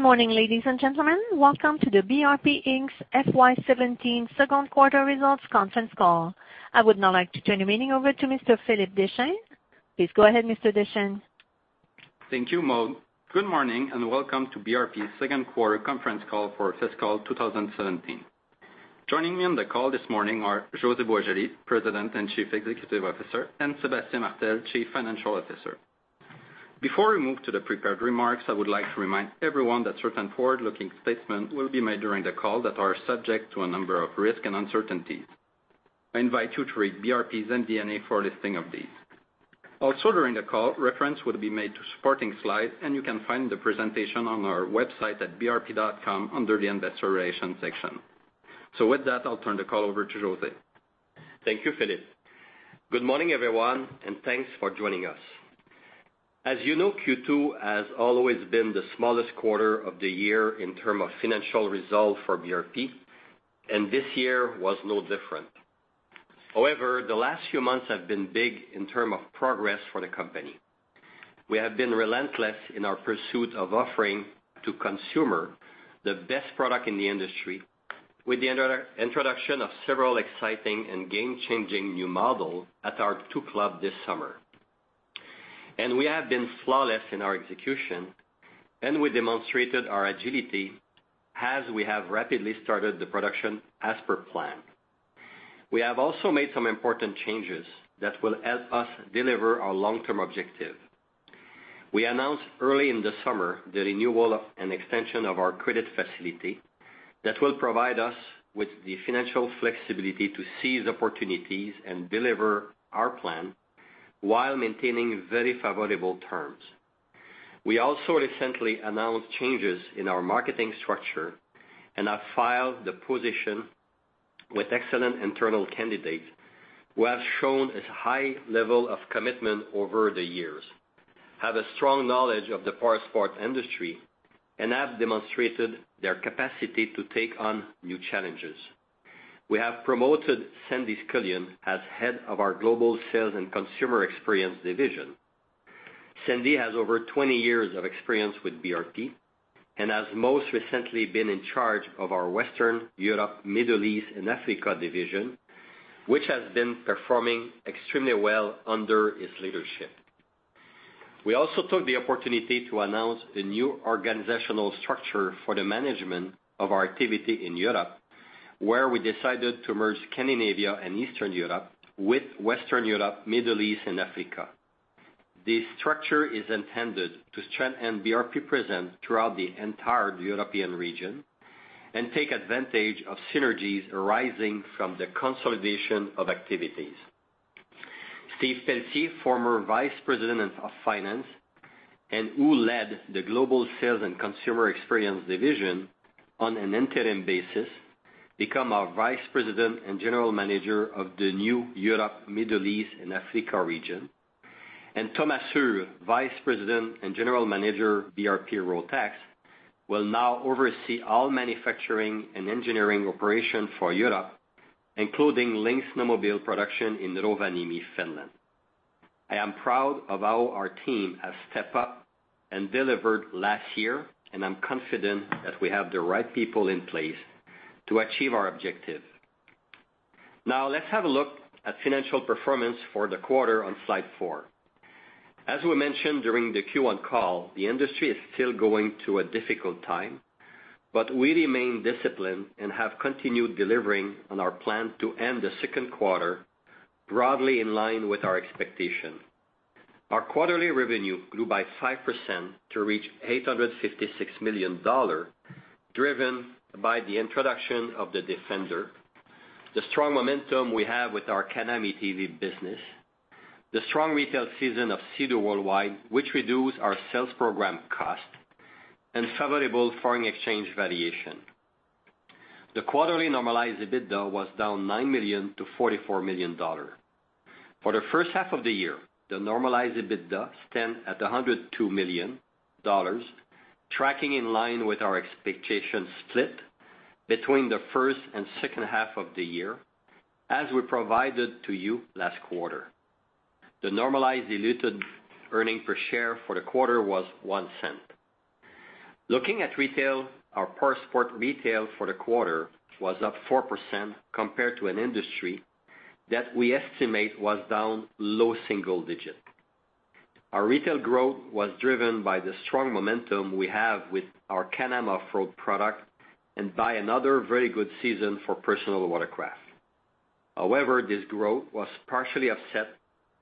Good morning, ladies and gentlemen. Welcome to the BRP Inc.'s FY 2017 second quarter results conference call. I would now like to turn the meeting over to Mr. Philippe Deschênes. Please go ahead, Mr. Deschênes. Thank you, Maude. Good morning, and welcome to BRP's second quarter conference call for fiscal 2017. Joining me on the call this morning are José Boisjoli, President and Chief Executive Officer, and Sébastien Martel, Chief Financial Officer. Before we move to the prepared remarks, I would like to remind everyone that certain forward-looking statements will be made during the call that are subject to a number of risks and uncertainties. I invite you to read BRP's MD&A for a listing of these. Also during the call, reference will be made to supporting slides, and you can find the presentation on our website at brp.com under the investor relations section. With that, I'll turn the call over to José. Thank you, Philippe. Good morning, everyone, and thanks for joining us. As you know, Q2 has always been the smallest quarter of the year in terms of financial result for BRP, and this year was no different. However, the last few months have been big in terms of progress for the company. We have been relentless in our pursuit of offering to consumers the best product in the industry with the introduction of several exciting and game-changing new models at our two clubs this summer. We have been flawless in our execution, and we demonstrated our agility as we have rapidly started the production as per plan. We have also made some important changes that will help us deliver our long-term objective. We announced early in the summer the renewal and extension of our credit facility that will provide us with the financial flexibility to seize opportunities and deliver our plan while maintaining very favorable terms. We also recently announced changes in our marketing structure and have filled the position with excellent internal candidates who have shown a high level of commitment over the years, have a strong knowledge of the powersport industry, and have demonstrated their capacity to take on new challenges. We have promoted Sandy Scullion as head of our Global Sales and Consumer Experience division. Sandy has over 20 years of experience with BRP and has most recently been in charge of our Western Europe, Middle East, and Africa division, which has been performing extremely well under his leadership. We also took the opportunity to announce the new organizational structure for the management of our activity in Europe, where we decided to merge Scandinavia and Eastern Europe with Western Europe, Middle East, and Africa. This structure is intended to strengthen BRP presence throughout the entire European region and take advantage of synergies arising from the consolidation of activities. Steve Pelletier, former vice president of finance and who led the global sales and consumer experience division on an interim basis, become our Vice President and General Manager of the new Europe, Middle East, and Africa region. Thomas Uhr, Vice President and General Manager, BRP-Rotax, will now oversee all manufacturing and engineering operation for Europe, including Lynx snowmobile production in Rovaniemi, Finland. I am proud of how our team has stepped up and delivered last year, and I'm confident that we have the right people in place to achieve our objective. Let's have a look at financial performance for the quarter on slide four. As we mentioned during the Q1 call, the industry is still going through a difficult time, but we remain disciplined and have continued delivering on our plan to end the second quarter broadly in line with our expectation. Our quarterly revenue grew by 5% to reach 856 million dollars, driven by the introduction of the Defender, the strong momentum we have with our Can-Am ATV business, the strong retail season of Sea-Doo worldwide, which reduced our sales program cost, and favorable foreign exchange variation. The quarterly normalized EBITDA was down 9 million to 44 million dollars. For the first half of the year, the normalized EBITDA stand at 102 million dollars, tracking in line with our expectation split between the first and second half of the year as we provided to you last quarter. The normalized diluted earning per share for the quarter was 0.01. Looking at retail, our powersport retail for the quarter was up 4% compared to an industry that we estimate was down low single digit. Our retail growth was driven by the strong momentum we have with our Can-Am off-road product and by another very good season for personal watercraft. This growth was partially offset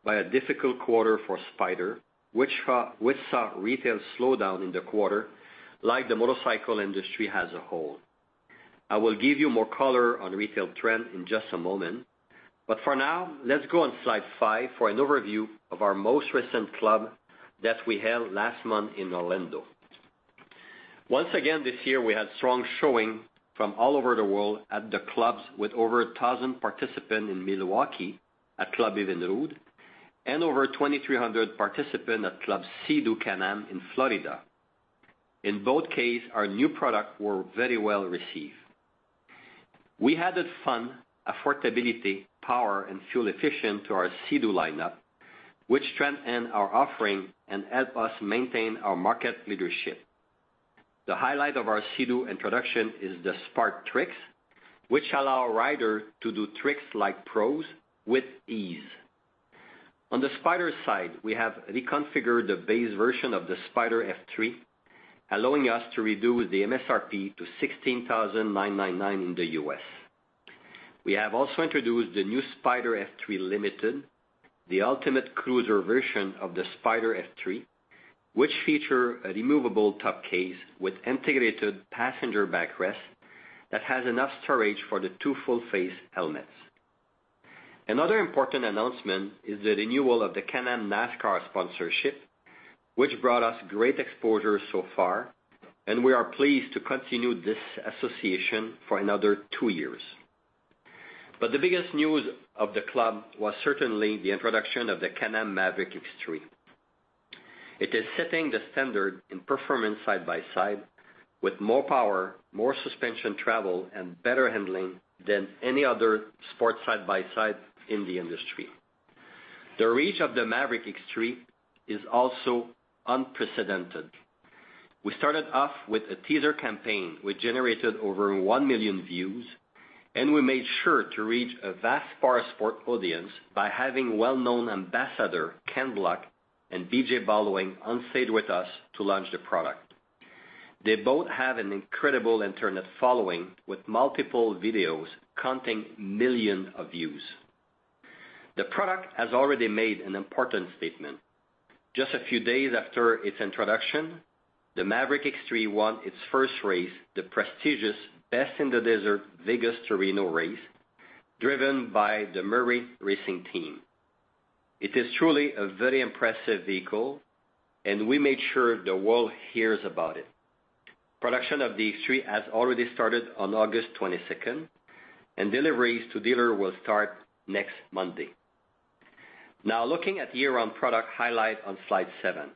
by a difficult quarter for Spyder, which saw retail slow down in the quarter like the motorcycle industry as a whole. I will give you more color on retail trend in just a moment, let's go on slide five for an overview of our most recent club that we held last month in Orlando. Once again, this year, we had strong showing from all over the world at the clubs with over 1,000 participants in Milwaukee at Club Evinrude and over 2,300 participants at Club Sea-Doo Can-Am in Florida. In both case, our new product were very well received. We added fun, affordability, power, and fuel efficient to our Sea-Doo lineup, which strengthen our offering and help us maintain our market leadership. The highlight of our Sea-Doo introduction is the Spark Trixx, which allow a rider to do tricks like pros with ease. On the Spyder side, we have reconfigured the base version of the Spyder F3, allowing us to reduce the MSRP to $16,999 in the U.S. We have also introduced the new Spyder F3 Limited, the ultimate cruiser version of the Spyder F3, which feature a removable top case with integrated passenger backrest that has enough storage for the two full face helmets. Another important announcement is the renewal of the Can-Am NASCAR sponsorship, which brought us great exposure so far, and we are pleased to continue this association for another two years. The biggest news of the club was certainly the introduction of the Can-Am Maverick X3. It is setting the standard in performance side-by-side with more power, more suspension travel, and better handling than any other sports side-by-side in the industry. The reach of the Maverick X3 is also unprecedented. We started off with a teaser campaign which generated over one million views, and we made sure to reach a vast powersport audience by having well-known ambassador Ken Block and B.J. Baldwin on stage with us to launch the product. They both have an incredible internet following, with multiple videos counting millions of views. The product has already made an important statement. Just a few days after its introduction, the Maverick X3 won its first race, the prestigious Best In The Desert Vegas to Reno race, driven by the Murray Racing Team. It is truly a very impressive vehicle, and we made sure the world hears about it. Production of the X3 has already started on August 22nd, and deliveries to dealer will start next Monday. Looking at year-on product highlight on slide seven.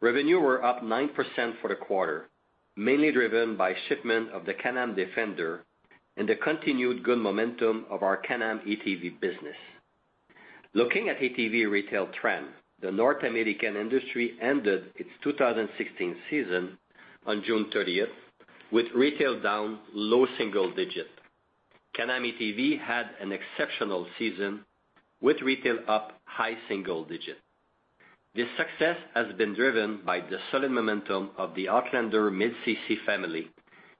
Revenue were up 9% for the quarter, mainly driven by shipment of the Can-Am Defender and the continued good momentum of our Can-Am ATV business. Looking at ATV retail trend, the North American industry ended its 2016 season on June 30th with retail down low single digits. Can-Am ATV had an exceptional season, with retail up high single digits. This success has been driven by the solid momentum of the Outlander mid-cc family,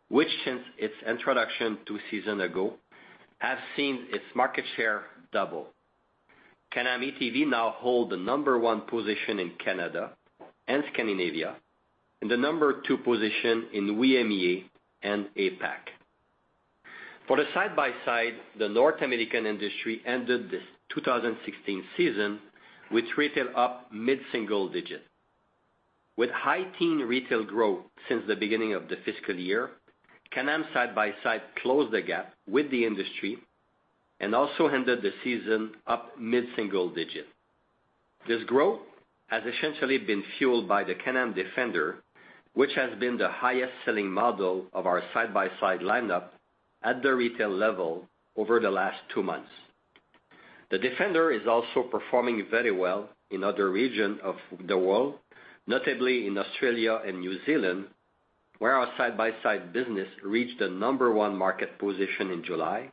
which since its introduction two seasons ago, has seen its market share double. Can-Am ATV now hold the number one position in Canada and Scandinavia, and the number two position in EMEA and APAC. For the side-by-side, the North American industry ended the 2016 season with retail up mid-single digits. With high teen retail growth since the beginning of the fiscal year, Can-Am side-by-side closed the gap with the industry and also ended the season up mid-single digits. This growth has essentially been fueled by the Can-Am Defender, which has been the highest selling model of our side-by-side lineup at the retail level over the last two months. The Defender is also performing very well in other regions of the world, notably in Australia and New Zealand, where our side-by-side business reached the number one market position in July,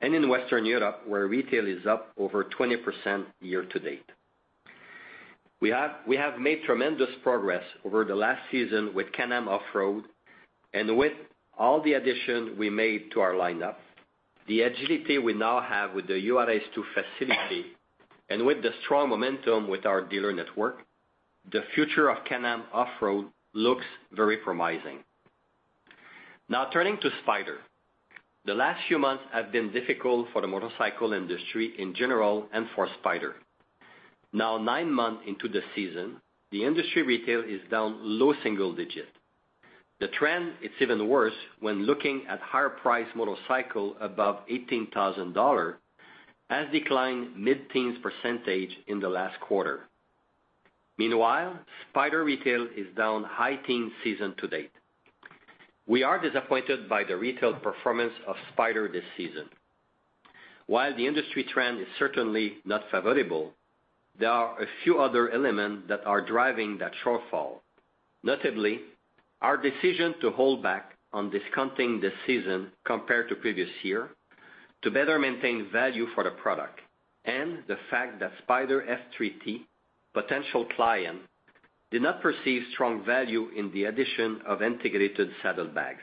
and in Western Europe, where retail is up over 20% year to date. We have made tremendous progress over the last season with Can-Am Off-Road and with all the additions we made to our lineup. The agility we now have with the UIS2 facility and with the strong momentum with our dealer network, the future of Can-Am Off-Road looks very promising. Now turning to Spyder. The last few months have been difficult for the motorcycle industry in general and for Spyder. Now, nine months into the season, the industry retail is down low single digits. The trend is even worse when looking at higher priced motorcycles above $18,000, has declined mid-teens % in the last quarter. Meanwhile, Spyder retail is down high teens season to date. We are disappointed by the retail performance of Spyder this season. While the industry trend is certainly not favorable, there are a few other elements that are driving that shortfall. Notably, our decision to hold back on discounting this season compared to previous year to better maintain value for the product and the fact that Spyder F3-T potential client did not perceive strong value in the addition of integrated saddlebags.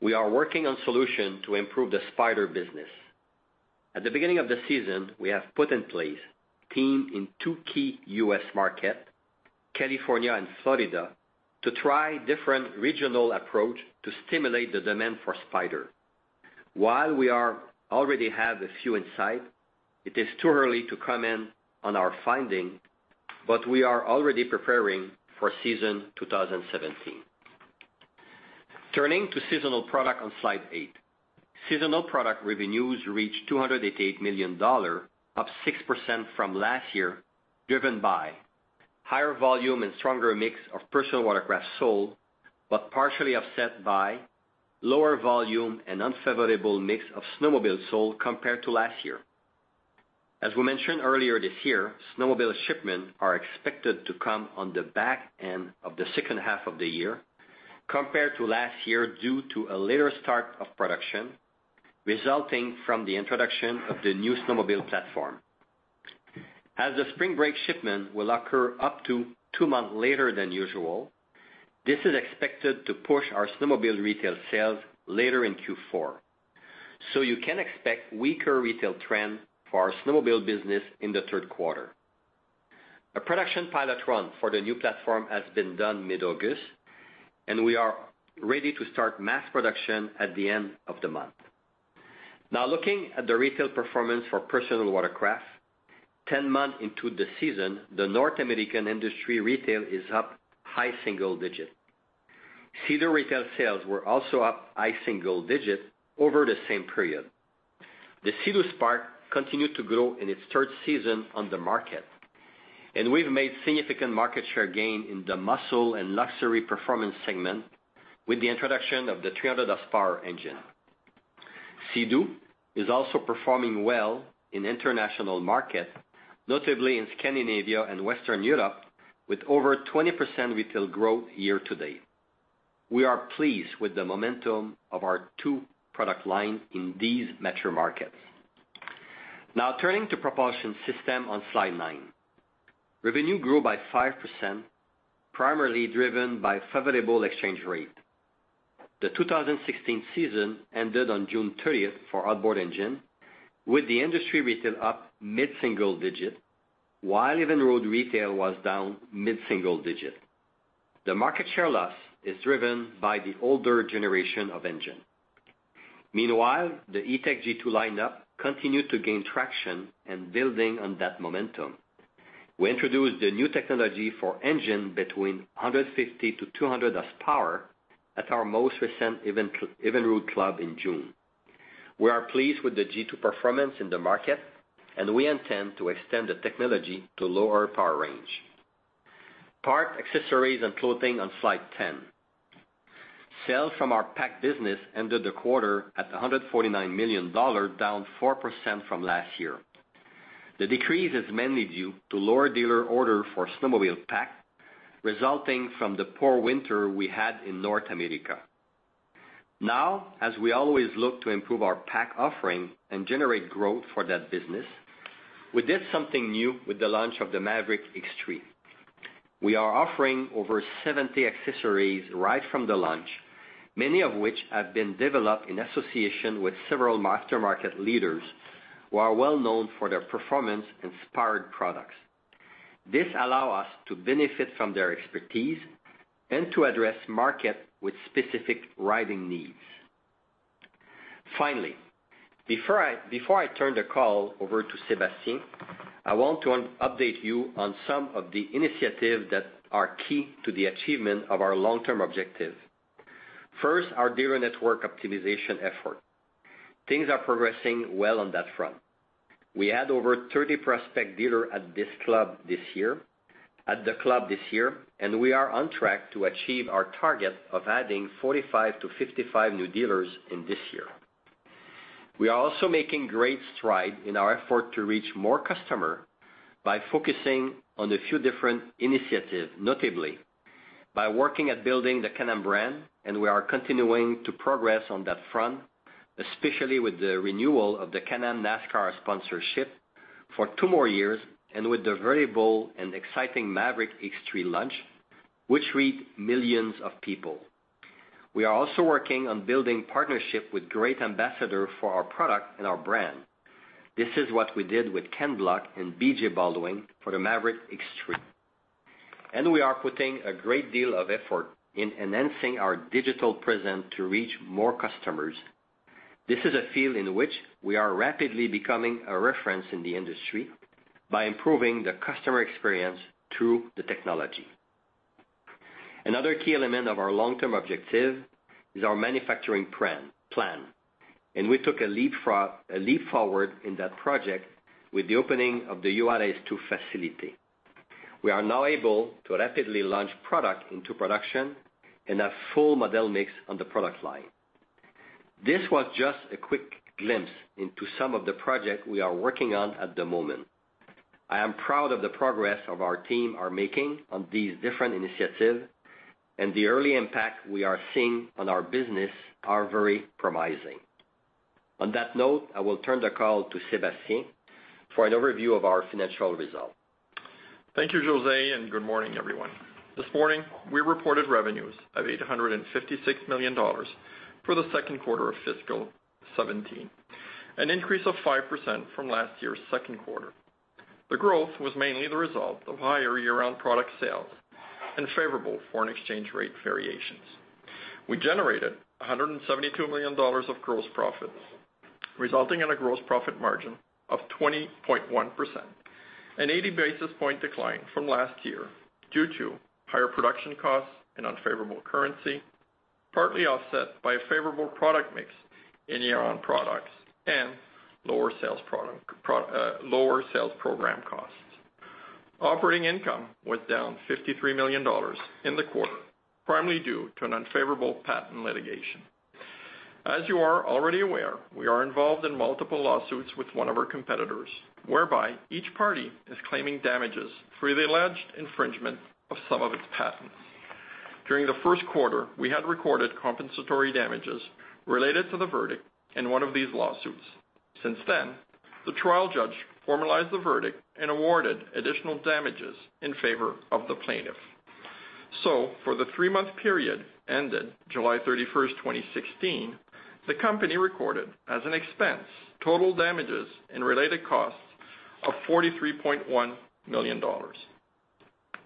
We are working on solution to improve the Spyder business. At the beginning of the season, we have put in place team in two key U.S. markets, California and Florida, to try different regional approach to stimulate the demand for Spyder. While we already have a few in sight, it is too early to comment on our finding, but we are already preparing for season 2017. Turning to seasonal product on slide eight. Seasonal product revenues reached 288 million dollars, up 6% from last year, driven by higher volume and stronger mix of personal watercraft sold, but partially offset by lower volume and unfavorable mix of snowmobiles sold compared to last year. As we mentioned earlier this year, snowmobile shipments are expected to come on the back end of the second half of the year compared to last year, due to a later start of production, resulting from the introduction of the new snowmobile platform. As the spring break shipment will occur up to two months later than usual, this is expected to push our snowmobile retail sales later in Q4. You can expect weaker retail trends for our snowmobile business in the third quarter. A production pilot run for the new platform has been done mid-August, and we are ready to start mass production at the end of the month. Looking at the retail performance for personal watercraft, 10 months into the season, the North American industry retail is up high single digits. Sea-Doo retail sales were also up high single digits over the same period. The Sea-Doo Spark continued to grow in its third season on the market, and we've made significant market share gain in the muscle and luxury performance segment with the introduction of the 300 horsepower engine. Sea-Doo is also performing well in international markets, notably in Scandinavia and Western Europe, with over 20% retail growth year to date. We are pleased with the momentum of our two product lines in these metro markets. Turning to propulsion system on slide nine. Revenue grew by 5%, primarily driven by favorable exchange rate. The 2016 season ended on June 30th for outboard engine, with the industry retail up mid-single digits, while Evinrude retail was down mid-single digits. The market share loss is driven by the older generation of engine. Meanwhile, the E-TEC G2 lineup continued to gain traction and, building on that momentum, we introduced the new technology for engine between 150-200 horsepower at our most recent Evinrude club in June. We are pleased with the G2 performance in the market, and we intend to extend the technology to lower power range. Parts, accessories, and clothing on slide 10. Sales from our parts business ended the quarter at 149 million dollars, down 4% from last year. The decrease is mainly due to lower dealer orders for snowmobile parts, resulting from the poor winter we had in North America. As we always look to improve our parts offering and generate growth for that business, we did something new with the launch of the Maverick X3. We are offering over 70 accessories right from the launch, many of which have been developed in association with several master market leaders who are well-known for their performance-inspired products. This allows us to benefit from their expertise and to address markets with specific riding needs. Finally, before I turn the call over to Sébastien, I want to update you on some of the initiatives that are key to the achievement of our long-term objectives. First, our dealer network optimization effort. Things are progressing well on that front. We had over 30 prospect dealers at the club this year, and we are on track to achieve our target of adding 45 to 55 new dealers in this year. We are also making great strides in our effort to reach more customers by focusing on a few different initiatives, notably by working at building the Can-Am brand, and we are continuing to progress on that front, especially with the renewal of the Can-Am NASCAR sponsorship for two more years, and with the very bold and exciting Maverick X3 launch, which reached millions of people. We are also working on building partnerships with great ambassadors for our product and our brand. This is what we did with Ken Block and B.J. Baldwin for the Maverick X3. We are putting a great deal of effort in enhancing our digital presence to reach more customers. This is a field in which we are rapidly becoming a reference in the industry by improving the customer experience through the technology. Another key element of our long-term objective is our manufacturing plan, and we took a leap forward in that project with the opening of the Juárez 2 facility. We are now able to rapidly launch products into production and have full model mix on the product line. This was just a quick glimpse into some of the projects we are working on at the moment. I am proud of the progress our team are making on these different initiatives, and the early impact we are seeing on our business are very promising. On that note, I will turn the call to Sébastien for an overview of our financial results. Thank you, José, and good morning, everyone. This morning, we reported revenues of 856 million dollars for the second quarter of FY 2017, an increase of 5% from last year's second quarter. The growth was mainly the result of higher year-round product sales and favorable foreign exchange rate variations. We generated 172 million dollars of gross profits, resulting in a gross profit margin of 20.1%, an 80 basis point decline from last year due to higher production costs and unfavorable currency. Partly offset by a favorable product mix in year-round products and lower sales program costs. Operating income was down 53 million dollars in the quarter, primarily due to an unfavorable patent litigation. As you are already aware, we are involved in multiple lawsuits with one of our competitors, whereby each party is claiming damages for the alleged infringement of some of its patents. During the first quarter, we had recorded compensatory damages related to the verdict in one of these lawsuits. Since then, the trial judge formalized the verdict and awarded additional damages in favor of the plaintiff. For the three-month period ended July 31st, 2016, the company recorded as an expense, total damages and related costs of 43.1 million dollars.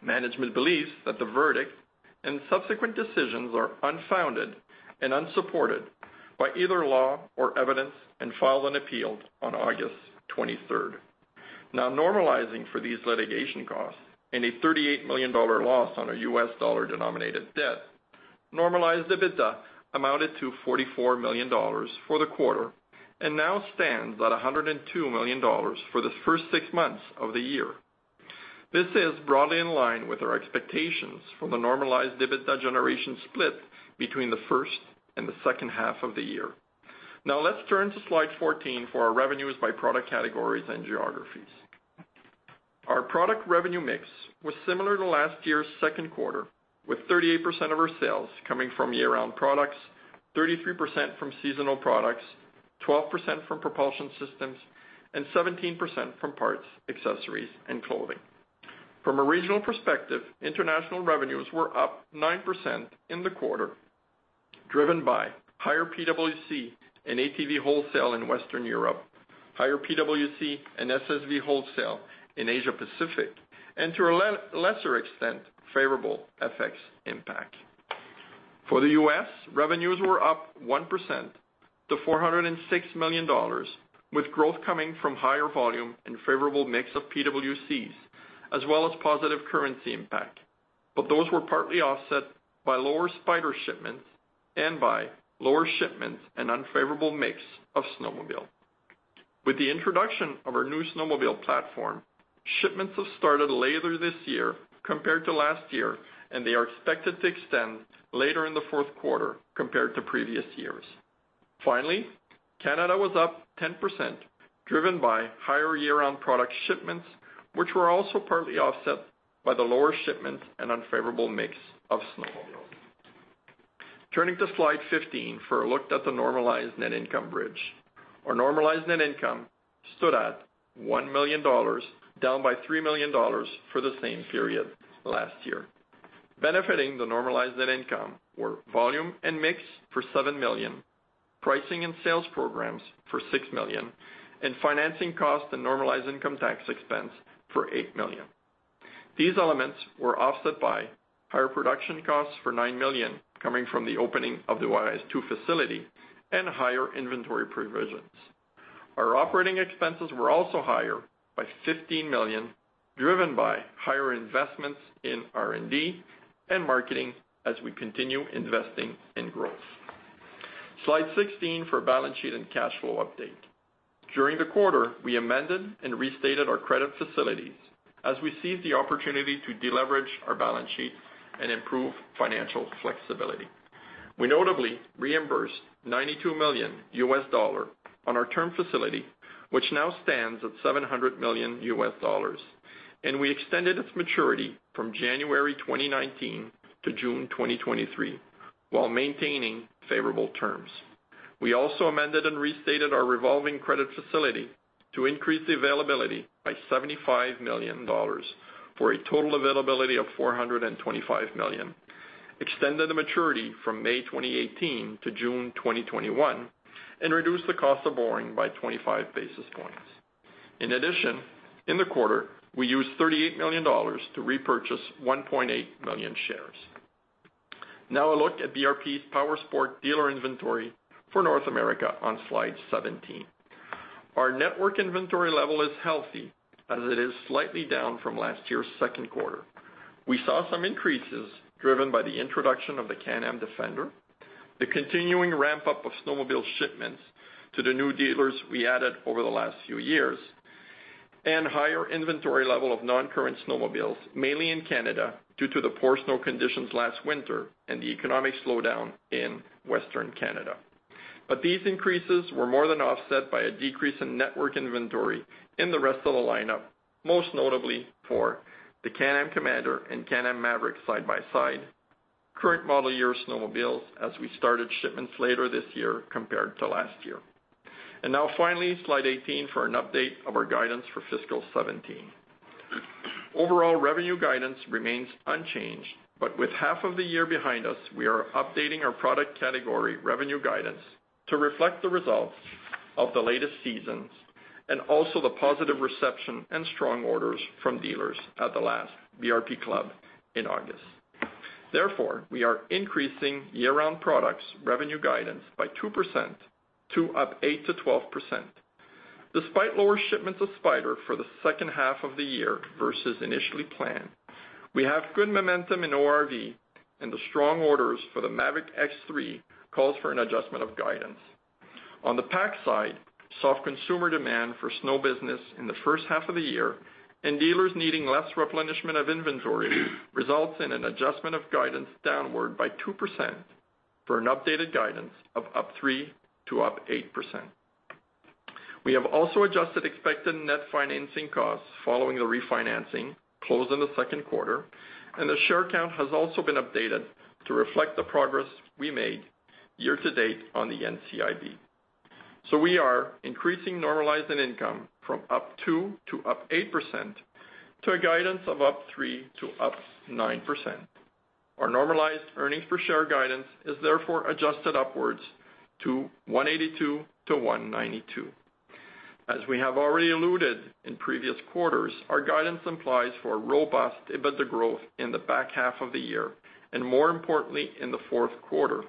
Management believes that the verdict and subsequent decisions are unfounded and unsupported by either law or evidence and filed an appeal on August 23rd. Normalizing for these litigation costs and a $38 million loss on a U.S. dollar-denominated debt, normalized EBITDA amounted to 44 million dollars for the quarter and now stands at 102 million dollars for the first six months of the year. This is broadly in line with our expectations for the normalized EBITDA generation split between the first and the second half of the year. Let's turn to slide 14 for our revenues by product categories and geographies. Our product revenue mix was similar to last year's second quarter, with 38% of our sales coming from year-round products, 33% from seasonal products, 12% from propulsion systems, and 17% from parts, accessories, and clothing. From a regional perspective, international revenues were up 9% in the quarter, driven by higher PWC and ATV wholesale in Western Europe, higher PWC and SSV wholesale in Asia-Pacific, and to a lesser extent, favorable FX impact. For the U.S., revenues were up 1% to $406 million, with growth coming from higher volume and favorable mix of PWCs, as well as positive currency impact. Those were partly offset by lower Spyder shipments and by lower shipments and unfavorable mix of snowmobile. With the introduction of our new snowmobile platform, shipments have started later this year compared to last year, and they are expected to extend later in the fourth quarter compared to previous years. Finally, Canada was up 10%, driven by higher year-round product shipments, which were also partly offset by the lower shipments and unfavorable mix of snowmobiles. Turning to slide 15 for a look at the normalized net income bridge. Our normalized net income stood at 1 million dollars, down by 3 million dollars for the same period last year. Benefiting the normalized net income were volume and mix for 7 million, pricing and sales programs for 6 million, and financing cost and normalized income tax expense for 8 million. These elements were offset by higher production costs for 9 million coming from the opening of the UIS2 facility and higher inventory provisions. Our operating expenses were also higher by 15 million, driven by higher investments in R&D and marketing as we continue investing in growth. Slide 16 for balance sheet and cash flow update. During the quarter, we amended and restated our credit facilities as we seized the opportunity to deleverage our balance sheet and improve financial flexibility. We notably reimbursed CAD 92 million on our term facility, which now stands at $700 million, and we extended its maturity from January 2019 to June 2023, while maintaining favorable terms. We also amended and restated our revolving credit facility to increase the availability by 75 million dollars for a total availability of 425 million, extended the maturity from May 2018 to June 2021, and reduced the cost of borrowing by 25 basis points. In addition, in the quarter, we used 38 million dollars to repurchase 1.8 million shares. Now a look at BRP's powersport dealer inventory for North America on slide 17. Our network inventory level is healthy as it is slightly down from last year's second quarter. We saw some increases driven by the introduction of the Can-Am Defender, the continuing ramp-up of snowmobile shipments to the new dealers we added over the last few years, and higher inventory level of non-current snowmobiles, mainly in Canada, due to the poor snow conditions last winter and the economic slowdown in Western Canada. These increases were more than offset by a decrease in network inventory in the rest of the lineup, most notably for the Can-Am Commander and Can-Am Maverick side-by-side, current model year snowmobiles as we started shipments later this year compared to last year. Now finally, slide 18 for an update of our guidance for fiscal 2017. Overall revenue guidance remains unchanged, with half of the year behind us, we are updating our product category revenue guidance to reflect the results of the latest seasons and also the positive reception and strong orders from dealers at the last BRP Club in August. We are increasing year-round products revenue guidance by 2% to up 8%-12%. Despite lower shipments of Spyder for the second half of the year versus initially planned, we have good momentum in ORV and the strong orders for the Maverick X3 calls for an adjustment of guidance. On the PAC side, soft consumer demand for snow business in the first half of the year and dealers needing less replenishment of inventory results in an adjustment of guidance downward by 2% for an updated guidance of up 3%-8%. We have also adjusted expected net financing costs following the refinancing close in the second quarter, and the share count has also been updated to reflect the progress we made year to date on the NCIB. We are increasing normalized net income from up 2%-8%, to a guidance of up 3%-9%. Our normalized earnings per share guidance is adjusted upwards to 1.82-1.92. As we have already alluded in previous quarters, our guidance implies for robust EBITDA growth in the back half of the year, and more importantly, in the fourth quarter.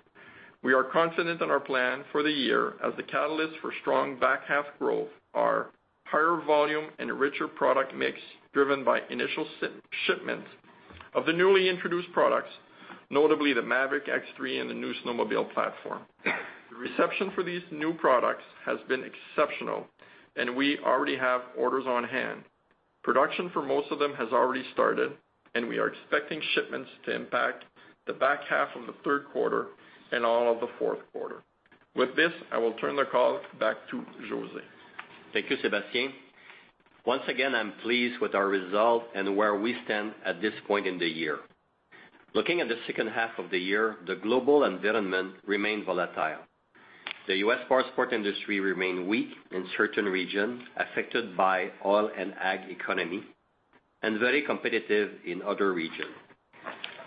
We are confident in our plan for the year as the catalyst for strong back half growth are higher volume and a richer product mix driven by initial shipments of the newly introduced products, notably the Maverick X3 and the new snowmobile platform. The reception for these new products has been exceptional and we already have orders on hand. Production for most of them has already started and we are expecting shipments to impact the back half of the third quarter and all of the fourth quarter. With this, I will turn the call back to José. Thank you, Sébastien. Once again, I'm pleased with our result and where we stand at this point in the year. Looking at the second half of the year, the global environment remained volatile. The U.S. powersport industry remained weak in certain regions affected by oil and ag economy, and very competitive in other regions.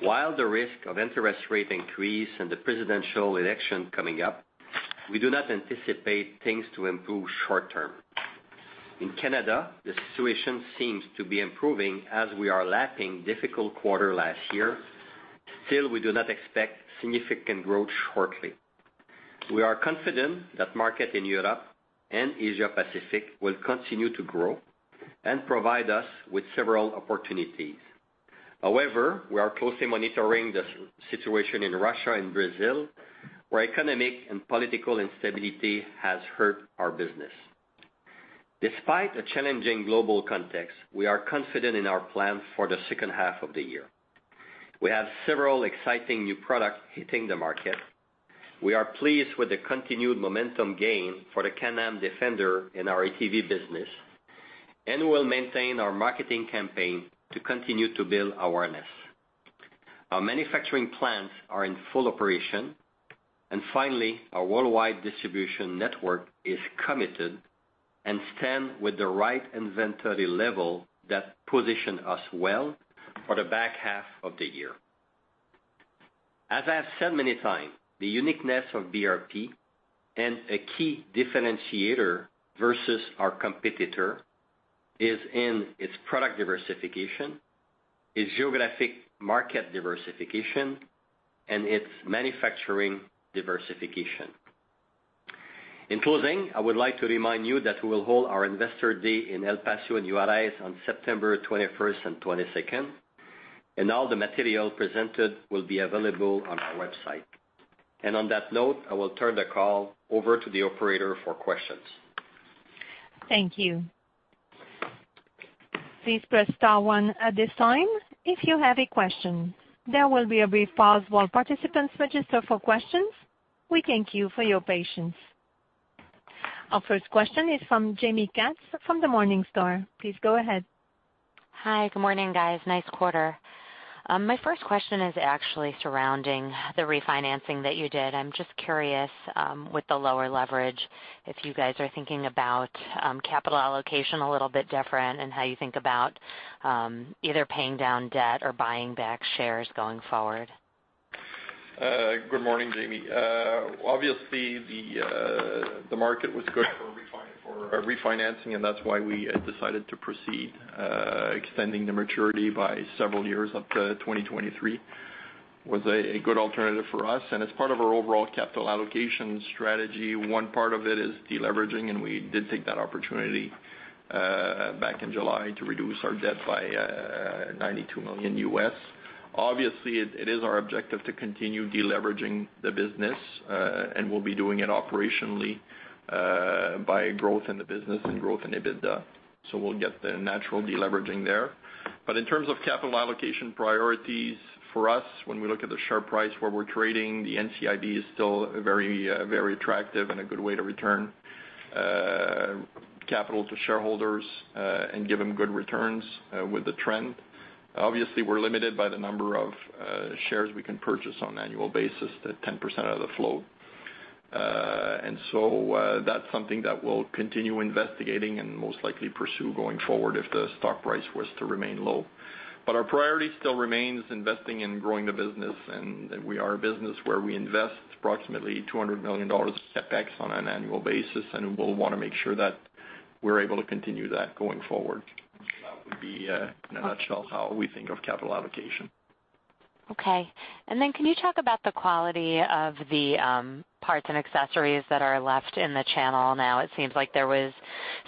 While the risk of interest rate increase and the presidential election coming up, we do not anticipate things to improve short term. In Canada, the situation seems to be improving as we are lapping difficult quarter last year. Still, we do not expect significant growth shortly. We are confident that market in Europe and Asia Pacific will continue to grow and provide us with several opportunities. However, we are closely monitoring the situation in Russia and Brazil, where economic and political instability has hurt our business. Despite a challenging global context, we are confident in our plan for the second half of the year. We have several exciting new products hitting the market. We are pleased with the continued momentum gain for the Can-Am Defender in our ATV business and will maintain our marketing campaign to continue to build awareness. Our manufacturing plants are in full operation. Finally, our worldwide distribution network is committed and stand with the right inventory level that position us well for the back half of the year. As I have said many times, the uniqueness of BRP and a key differentiator versus our competitor is in its product diversification, its geographic market diversification, and its manufacturing diversification. In closing, I would like to remind you that we will hold our Investor Day in El Paso at UTEP on September 21st and 22nd, and all the material presented will be available on our website. On that note, I will turn the call over to the operator for questions. Thank you. Please press star one at this time if you have a question. There will be a brief pause while participants register for questions. We thank you for your patience. Our first question is from Jaime Katz from Morningstar. Please go ahead. Hi. Good morning, guys. Nice quarter. My first question is actually surrounding the refinancing that you did. I'm just curious, with the lower leverage, if you guys are thinking about capital allocation a little bit different and how you think about either paying down debt or buying back shares going forward. Good morning, Jaime. Obviously, the market was good for refinancing, and that's why we decided to proceed extending the maturity by several years up to 2023 was a good alternative for us. As part of our overall capital allocation strategy, one part of it is deleveraging, and we did take that opportunity back in July to reduce our debt by $92 million U.S. Obviously, it is our objective to continue deleveraging the business, and we'll be doing it operationally by growth in the business and growth in EBITDA, so we'll get the natural deleveraging there. In terms of capital allocation priorities for us, when we look at the share price where we're trading, the NCIB is still very attractive and a good way to return capital to shareholders and give them good returns with the trend. Obviously, we're limited by the number of shares we can purchase on an annual basis at 10% of the float. That's something that we'll continue investigating and most likely pursue going forward if the stock price was to remain low. Our priority still remains investing in growing the business, and we are a business where we invest approximately $200 million of CapEx on an annual basis, and we'll want to make sure that we're able to continue that going forward. That would be in a nutshell how we think of capital allocation. Okay. Can you talk about the quality of the parts and accessories that are left in the channel now? It seems like there was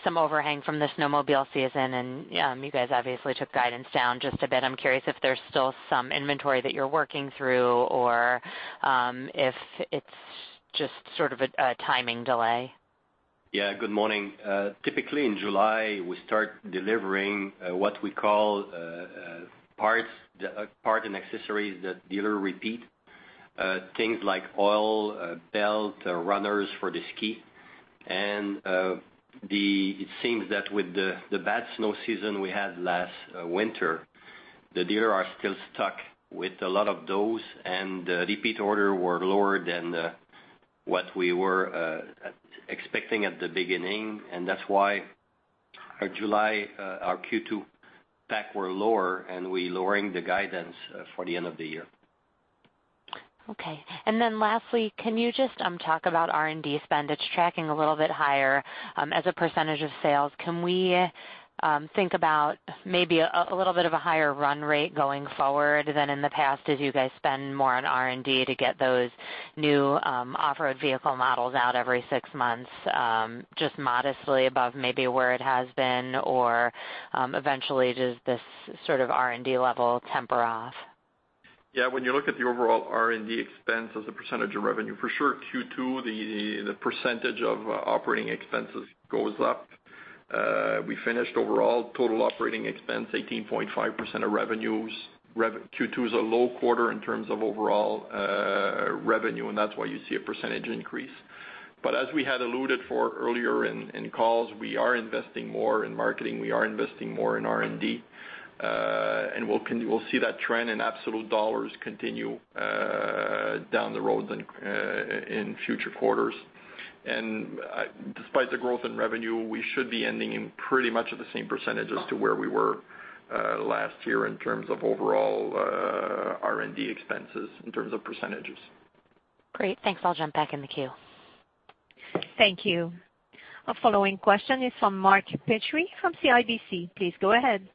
some overhang from the snowmobile season, and you guys obviously took guidance down just a bit. I'm curious if there's still some inventory that you're working through or if it's just sort of a timing delay. Yeah. Good morning. Typically, in July, we start delivering what we call parts and accessories that dealer repeat. Things like oil, belt, runners for the ski. It seems that with the bad snow season we had last winter, the dealer are still stuck with a lot of those, the repeat order were lower than what we were expecting at the beginning. That's why our July, our Q2 PAC were lower, and we lowering the guidance for the end of the year. Okay. Lastly, can you just talk about R&D spend? It's tracking a little bit higher as a percentage of sales. Can we think about maybe a little bit of a higher run rate going forward than in the past as you guys spend more on R&D to get those new off-road vehicle models out every six months, just modestly above maybe where it has been? Eventually, does this sort of R&D level temper off? Yeah, when you look at the overall R&D expense as a percentage of revenue, for sure, Q2, the percentage of operating expenses goes up. We finished overall total operating expense 18.5% of revenues. Q2 is a low quarter in terms of overall revenue, that's why you see a percentage increase. As we had alluded for earlier in calls, we are investing more in marketing, we are investing more in R&D. We'll see that trend in absolute dollars continue down the road in future quarters. Despite the growth in revenue, we should be ending in pretty much at the same percentage as to where we were last year in terms of overall R&D expenses, in terms of percentages. Great. Thanks. I'll jump back in the queue. Thank you. Our following question is from Mark Petrie from CIBC. Please go ahead.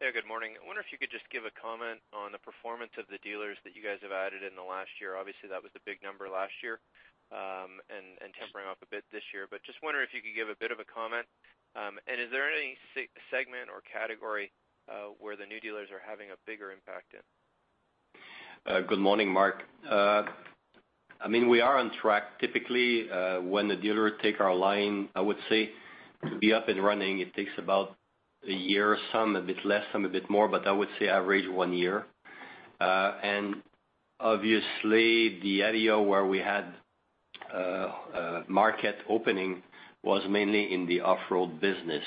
Yeah, good morning. I wonder if you could just give a comment on the performance of the dealers that you guys have added in the last year. Obviously, that was the big number last year, tempering off a bit this year. Just wonder if you could give a bit of a comment. Is there any segment or category where the new dealers are having a bigger impact in? Good morning, Mark. We are on track. Typically, when the dealer take our line, I would say to be up and running, it takes about a year, some a bit less, some a bit more, but I would say average one year. Obviously, the area where we had market opening was mainly in the off-road business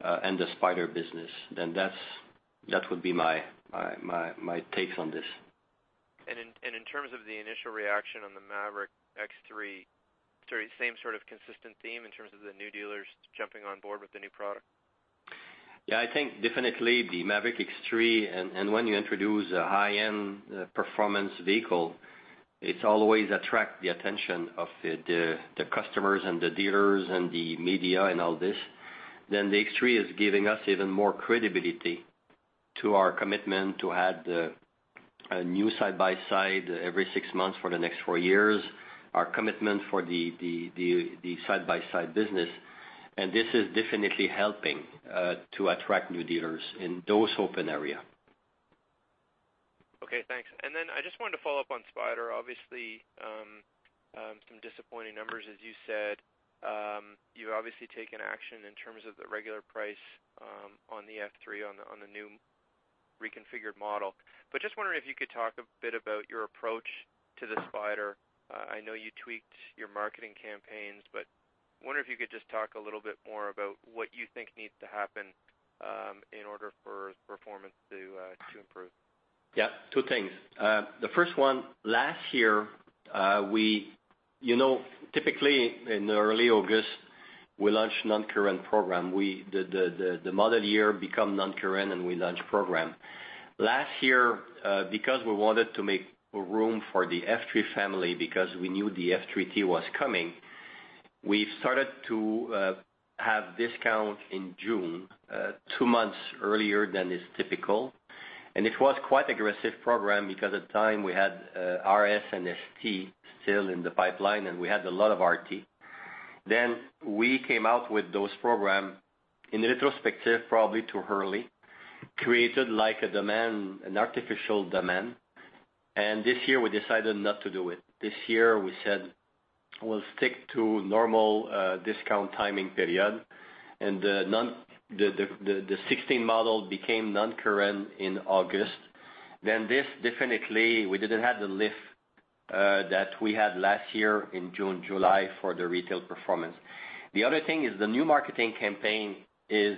and the Spyder business. That would be my take on this. In terms of the initial reaction on the Maverick X3, same sort of consistent theme in terms of the new dealers jumping on board with the new product? Yeah, I think definitely the Maverick X3, when you introduce a high-end performance vehicle, it always attract the attention of the customers and the dealers and the media and all this. The X3 is giving us even more credibility to our commitment to add a new side-by-side every six months for the next four years, our commitment for the side-by-side business. This is definitely helping to attract new dealers in those open area. Okay, thanks. I just wanted to follow up on Spyder. Obviously, some disappointing numbers, as you said. You've obviously taken action in terms of the regular price on the F3 on the new reconfigured model. Just wondering if you could talk a bit about your approach to the Spyder. I know you tweaked your marketing campaigns, but I wonder if you could just talk a little bit more about what you think needs to happen in order for performance to improve. Yeah. Two things. The first one, last year, typically in early August, we launched non-current program. The model year become non-current, and we launch program. Last year, because we wanted to make room for the F3 family because we knew the F3-T was coming, we started to have discount in June, two months earlier than is typical. It was quite aggressive program because at the time we had RS and ST still in the pipeline, and we had a lot of RT. We came out with those program, in retrospective, probably too early, created an artificial demand. This year we decided not to do it. This year we said we'll stick to normal discount timing period. The 2016 model became non-current in August. This definitely, we didn't have the lift that we had last year in June, July for the retail performance. The other thing is the new marketing campaign is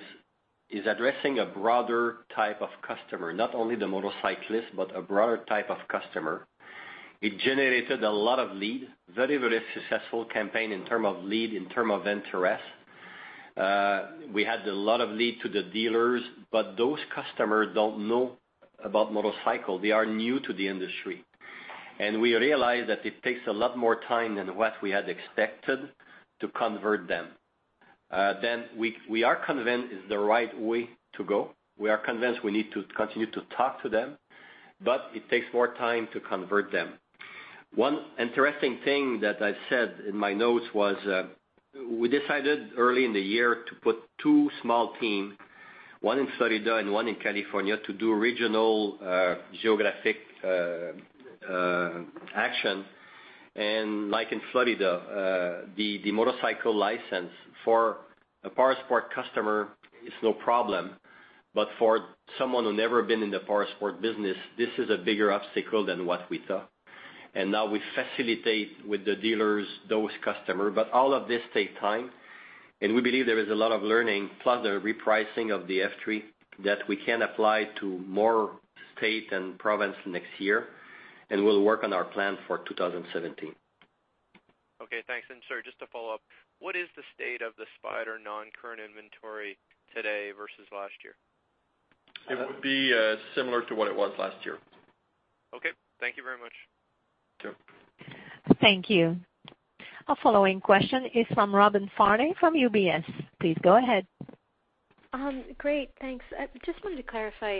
addressing a broader type of customer, not only the motorcyclist, but a broader type of customer. It generated a lot of lead. Very, very successful campaign in term of lead, in term of interest. We had a lot of lead to the dealers, but those customers don't know about motorcycle. They are new to the industry. We realized that it takes a lot more time than what we had expected to convert them. We are convinced it's the right way to go. We are convinced we need to continue to talk to them, but it takes more time to convert them. One interesting thing that I've said in my notes was, we decided early in the year to put two small team, one in Florida and one in California to do regional geographic action. Like in Florida, the motorcycle license for a Powersport customer is no problem, but for someone who never been in the Powersport business, this is a bigger obstacle than what we thought. Now we facilitate with the dealers, those customer, but all of this take time, and we believe there is a lot of learning, plus the repricing of the F3 that we can apply to more state and province next year, and we'll work on our plan for 2017. Okay, thanks. Sir, just to follow up, what is the state of the Spyder non-current inventory today versus last year? It would be similar to what it was last year. Okay. Thank you very much. Yep. Thank you. Our following question is from Robin Farley from UBS. Please go ahead. Great, thanks. I just wanted to clarify,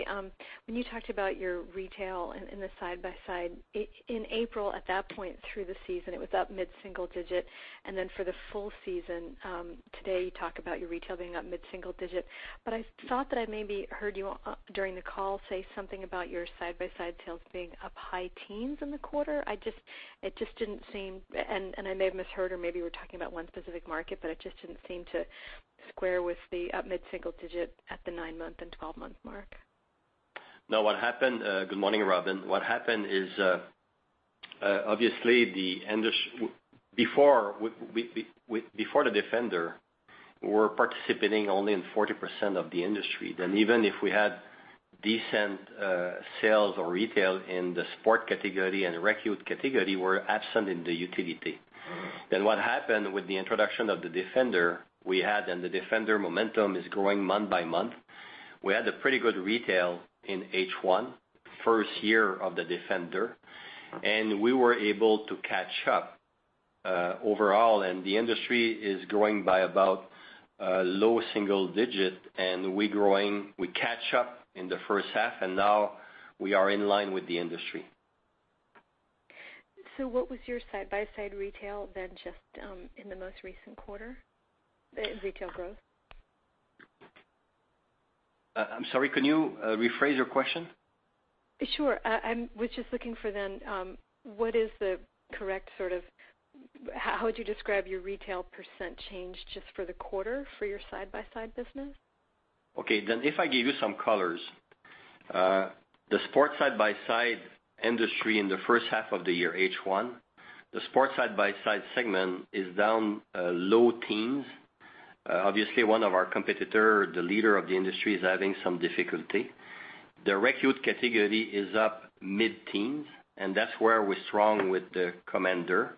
when you talked about your retail in the side-by-side in April, at that point through the season, it was up mid-single digit. Then for the full season, today, you talk about your retail being up mid-single digit. I thought that I maybe heard you during the call say something about your side-by-side sales being up high teens in the quarter. It just didn't seem, and I may have misheard or maybe we're talking about one specific market, but it just didn't seem to square with the up mid-single digit at the nine-month and 12-month mark. No, good morning, Robin. What happened is, obviously before the Defender, we were participating only in 40% of the industry. Even if we had decent sales or retail in the sport category and the rec-ute category, we're absent in the utility. What happened with the introduction of the Defender we had, and the Defender momentum is growing month by month. We had a pretty good retail in H1, first year of the Defender, and we were able to catch up overall and the industry is growing by about low single digit and we growing. We catch up in the first half and now we are in line with the industry. What was your side-by-side retail then, just in the most recent quarter? Retail growth. I'm sorry, can you rephrase your question? Sure. I was just looking for what is the correct sort of, how would you describe your retail % change just for the quarter for your side-by-side business? Okay. If I give you some colors. The sports side-by-side industry in the first half of the year, H1, the sports side-by-side segment is down low teens. Obviously one of our competitor, the leader of the industry, is having some difficulty. The rec-ute category is up mid-teens, and that's where we're strong with the Commander.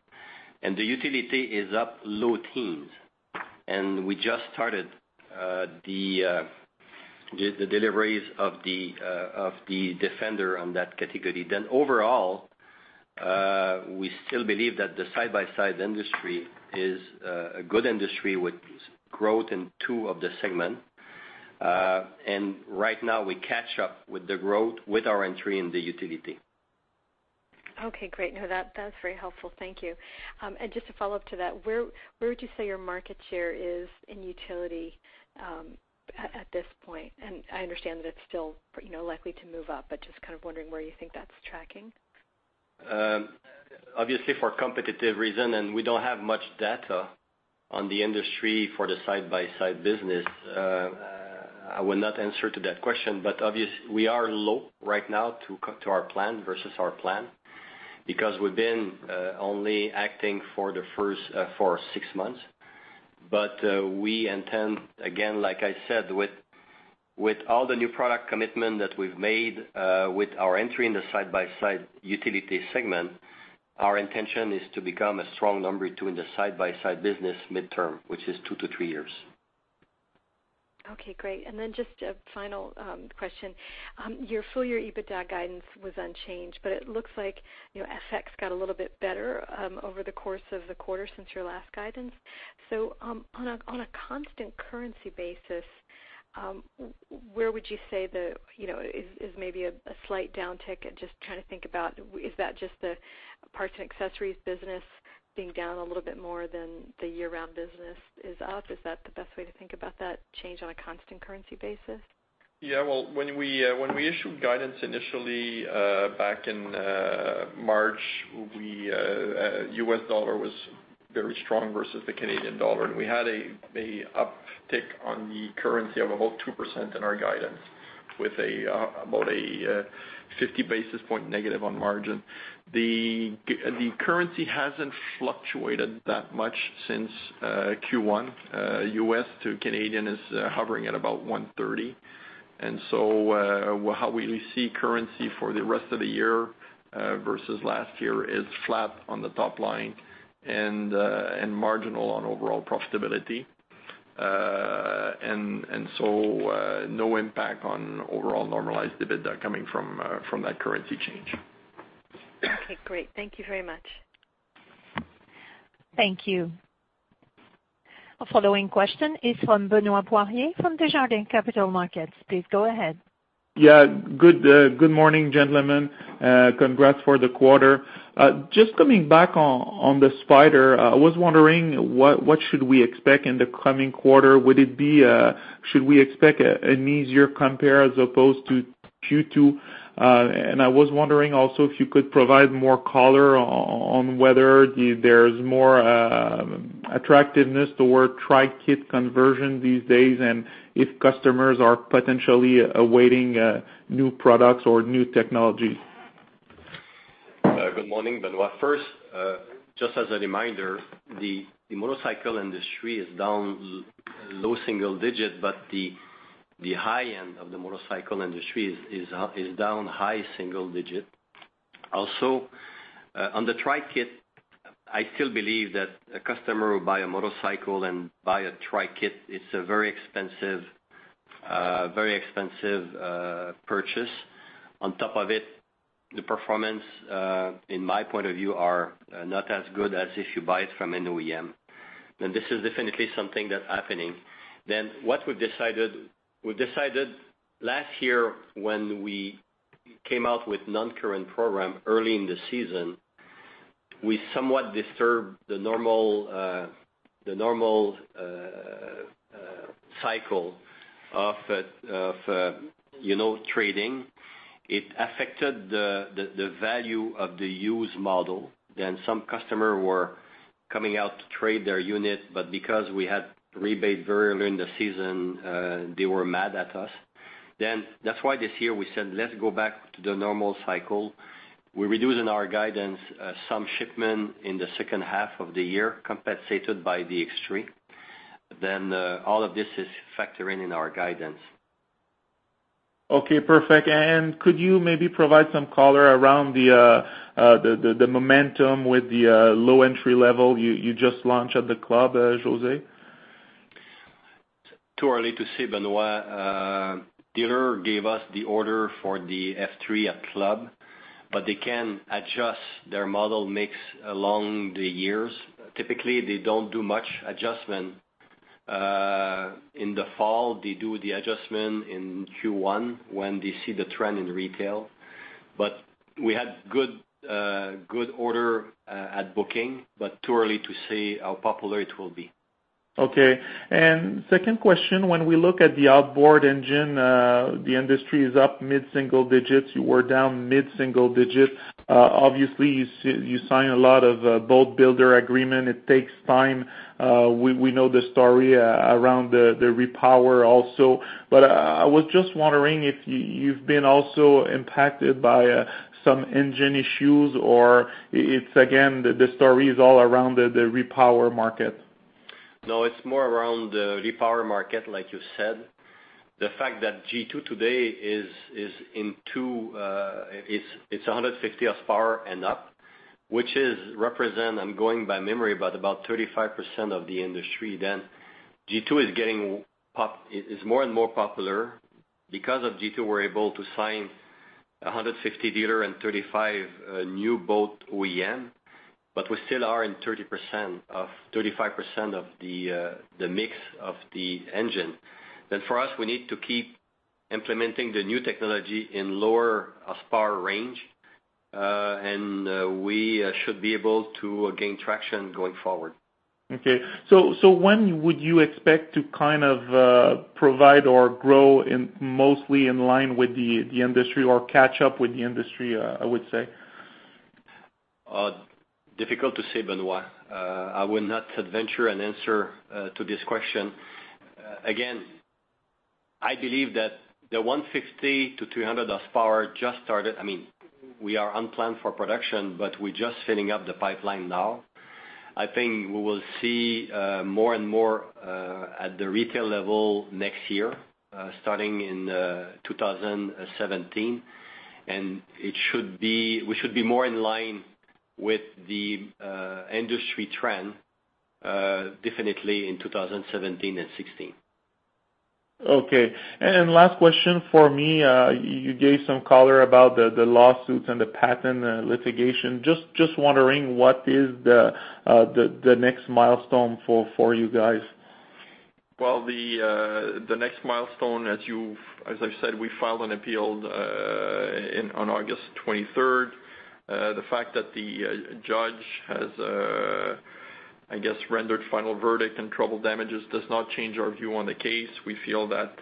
The utility is up low teens, and we just started the deliveries of the Defender on that category. Overall, we still believe that the side-by-side industry is a good industry with growth in two of the segment. Right now we catch up with the growth with our entry in the utility. Okay, great. No, that's very helpful. Thank you. Just to follow up to that, where would you say your market share is in utility at this point? I understand that it's still likely to move up, but just kind of wondering where you think that's tracking. Obviously for competitive reason, we don't have much data on the industry for the side-by-side business. I will not answer to that question, obviously we are low right now to our plan versus our plan because we've been only acting for six months. We intend, again, like I said with all the new product commitment that we've made with our entry in the side-by-side utility segment, our intention is to become a strong number two in the side-by-side business midterm, which is two to three years. Okay, great. Just a final question. Your full year EBITDA guidance was unchanged, it looks like FX got a little bit better over the course of the quarter since your last guidance. On a constant currency basis, where would you say is maybe a slight downtick at just trying to think about is that just the parts and accessories business being down a little bit more than the year-round business is up? Is that the best way to think about that change on a constant currency basis? Yeah, well, when we issued guidance initially back in March, U.S. dollar was very strong versus the Canadian dollar, we had a uptick on the currency of about 2% in our guidance with about a 50 basis point negative on margin. The currency hasn't fluctuated that much since Q1. U.S. to Canadian is hovering at about 130. How we see currency for the rest of the year versus last year is flat on the top line and marginal on overall profitability. No impact on overall normalized EBITDA coming from that currency change. Okay, great. Thank you very much. Thank you. Our following question is from Benoit Poirier from Desjardins Capital Markets. Please go ahead. Yeah. Good morning, gentlemen. Congrats for the quarter. Just coming back on the Spyder. I was wondering what should we expect in the coming quarter. Should we expect an easier compare as opposed to Q2? I was wondering also if you could provide more color on whether there's more attractiveness toward Tri-Kit conversion these days and if customers are potentially awaiting new products or new technology. Good morning, Benoit. First, just as a reminder, the motorcycle industry is down low single digits, but the high end of the motorcycle industry is down high single digits. Also, on the Tri-Kit, I still believe that a customer who will buy a motorcycle and buy a Tri-Kit, it's a very expensive purchase. On top of it, the performance, in my point of view, are not as good as if you buy it from an OEM. This is definitely something that's happening. What we've decided, we decided last year when we came out with non-current program early in the season, we somewhat disturbed the normal cycle of trading. It affected the value of the used model. Some customer were coming out to trade their unit, but because we had rebate very early in the season, they were mad at us. That's why this year we said, "Let's go back to the normal cycle." We're reducing our guidance, some shipment in the second half of the year, compensated by the X3. All of this is factoring in our guidance. Okay, perfect. Could you maybe provide some color around the momentum with the low entry level you just launched at the club, José? Too early to say, Benoit. Dealer gave us the order for the F3 at club, they can adjust their model mix along the years. Typically, they don't do much adjustment in the fall. They do the adjustment in Q1 when they see the trend in retail. We had good order at booking, too early to say how popular it will be. Okay. Second question, when we look at the outboard engine, the industry is up mid-single digits. You were down mid-single digits. Obviously, you sign a lot of boat builder agreement. It takes time. We know the story around the repower also. I was just wondering if you've been also impacted by some engine issues, or it's, again, the story is all around the repower market. No, it's more around the repower market, like you said. The fact that G2 today is 150 horsepower and up, which represent, I'm going by memory, about 35% of the industry. G2 is more and more popular. Because of G2, we're able to sign 150 dealer and 35 new boat OEM, we still are in 35% of the mix of the engine. For us, we need to keep implementing the new technology in lower horsepower range, we should be able to gain traction going forward. Okay. When would you expect to kind of provide or grow mostly in line with the industry or catch up with the industry, I would say? Difficult to say, Benoit. I will not venture an answer to this question. I believe that the 150 to 300 horsepower just started. We are on plan for production, but we're just filling up the pipeline now. I think we will see more and more at the retail level next year, starting in 2017. We should be more in line with the industry trend, definitely in 2017 and 2016. Okay. Last question for me. You gave some color about the lawsuits and the patent litigation. Just wondering, what is the next milestone for you guys? Well, the next milestone, as I've said, we filed an appeal on August 23rd. The fact that the judge has, I guess, rendered final verdict and treble damages does not change our view on the case. We feel that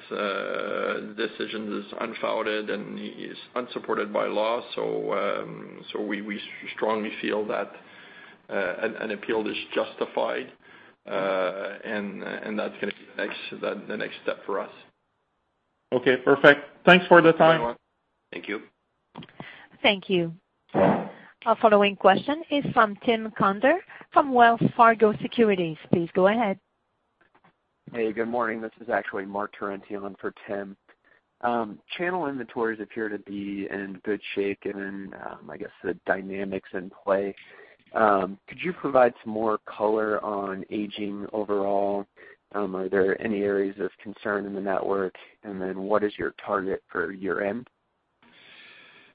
decision is unfounded and is unsupported by law. We strongly feel that an appeal is justified, and that's going to be the next step for us. Okay, perfect. Thanks for the time. Thank you, Benoit. Thank you. Thank you. Our following question is from Tim Conder from Wells Fargo Securities. Please go ahead. Hey, good morning. This is actually Mark Turentine for Tim. Channel inventories appear to be in good shape, given, I guess, the dynamics in play. Could you provide some more color on aging overall? Are there any areas of concern in the network? What is your target for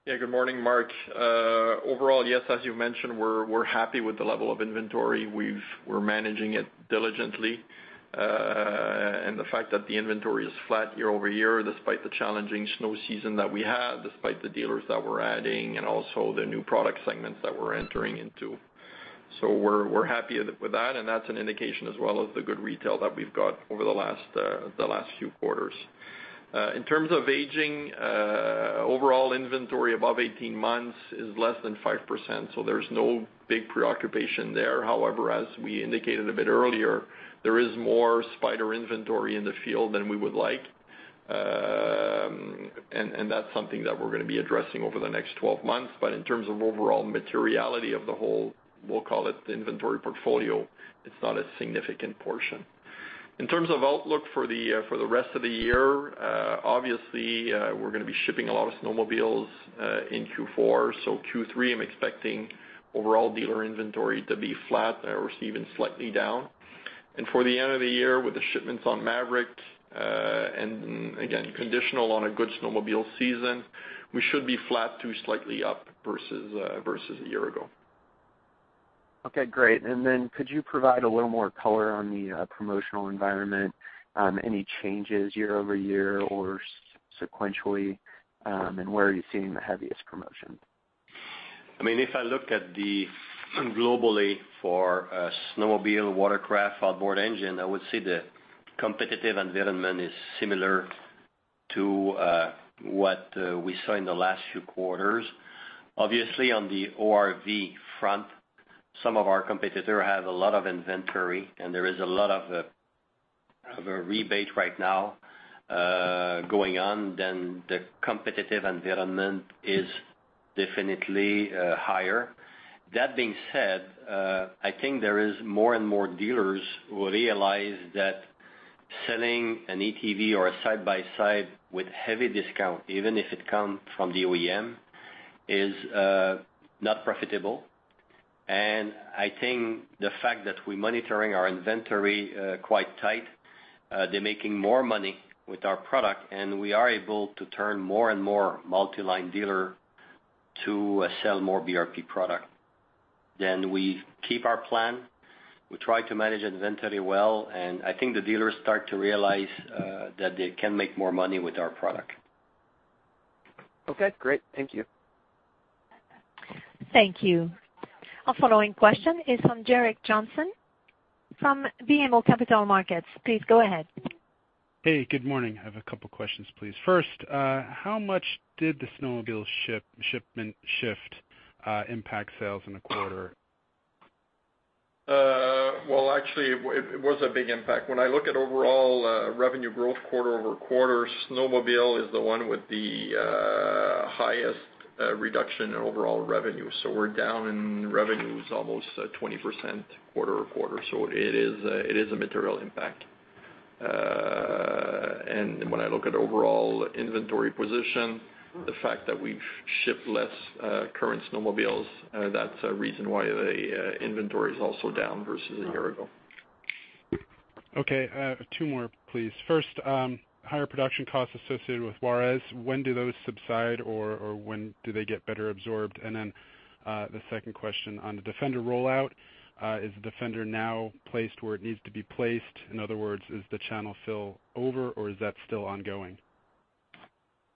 year-end? Good morning, Mark. Overall, yes, as you mentioned, we're happy with the level of inventory. We're managing it diligently. The fact that the inventory is flat year-over-year, despite the challenging snow season that we had, despite the dealers that we're adding and also the new product segments that we're entering into. We're happy with that, and that's an indication as well of the good retail that we've got over the last few quarters. In terms of aging, overall inventory above 18 months is less than 5%, so there's no big preoccupation there. However, as we indicated a bit earlier, there is more Spyder inventory in the field than we would like. That's something that we're going to be addressing over the next 12 months. In terms of overall materiality of the whole, we'll call it the inventory portfolio, it's not a significant portion. In terms of outlook for the rest of the year, obviously, we're going to be shipping a lot of snowmobiles in Q4. Q3, I'm expecting overall dealer inventory to be flat or even slightly down. For the end of the year, with the shipments on Maverick, and again, conditional on a good snowmobile season, we should be flat to slightly up versus a year ago. Okay, great. Then could you provide a little more color on the promotional environment? Any changes year-over-year or sequentially? Where are you seeing the heaviest promotion? If I look globally for a snowmobile, watercraft, outboard engine, I would say the competitive environment is similar to what we saw in the last few quarters. Obviously, on the ORV front, some of our competitor have a lot of inventory, and there is a lot of a rebate right now going on, then the competitive environment is definitely higher. That being said, I think there is more and more dealers who realize that selling an ATV or a side-by-side with heavy discount, even if it come from the OEM, is not profitable. I think the fact that we monitoring our inventory quite tight, they're making more money with our product, and we are able to turn more and more multi-line dealer to sell more BRP product. We keep our plan, we try to manage inventory well, and I think the dealers start to realize that they can make more money with our product. Okay, great. Thank you. Thank you. Our following question is from Gerrick Johnson from BMO Capital Markets. Please go ahead. Hey, good morning. I have a couple questions, please. First, how much did the snowmobile shipment shift impact sales in the quarter? Well, actually, it was a big impact. When I look at overall revenue growth quarter-over-quarter, snowmobile is the one with the highest reduction in overall revenue. We're down in revenues almost 20% quarter-over-quarter. It is a material impact. When I look at overall inventory position, the fact that we've shipped less current snowmobiles, that's a reason why the inventory is also down versus a year ago. Okay. Two more, please. First, higher production costs associated with Juárez, when do those subside, or when do they get better absorbed? The second question on the Defender rollout, is Defender now placed where it needs to be placed? In other words, is the channel fill over, or is that still ongoing?